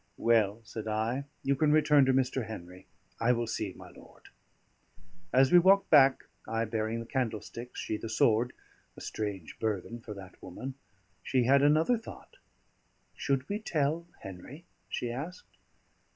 "Well," said I, "you can return to Mr. Henry; I will see my lord." As we walked back, I bearing the candlesticks, she the sword a strange burthen for that woman she had another thought. "Should we tell Henry?" she asked.